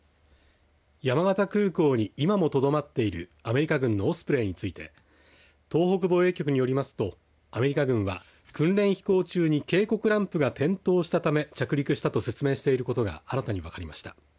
山形空港に今もとどまっているアメリカ軍のオスプレイについて東北防衛局によりますとアメリカ軍は訓練飛行中に警告ランプが点灯したため着陸したと説明していることが新たに分かりました。